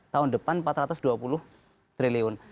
tahun depan empat ratus dua puluh triliun